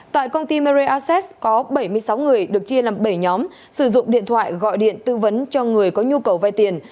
tại công ty mer aces có bảy mươi sáu người được chia làm bảy nhóm sử dụng điện thoại gọi điện tư vấn cho người có nhu cầu vay tiền